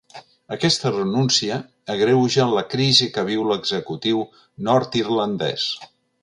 Aquesta renúncia agreuja la crisi que viu l’executiu nord-irlandès.